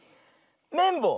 めんぼう。